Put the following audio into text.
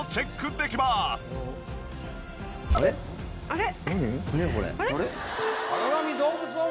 あれ？